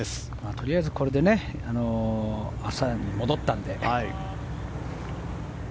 とりあえずこれで朝に戻ったので。